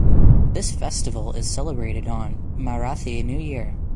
This festival is celebrated on Marathi New Year.